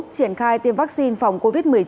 triển khai tiêm vaccine phòng covid một mươi chín